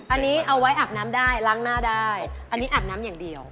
อันนี้เอาไว้อาบน้ำได้ล้างหน้าได้อันนี้อาบน้ำอย่างเดียว